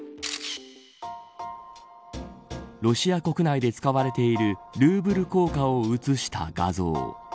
ロシア国内で使われているルーブル硬貨を写した画像。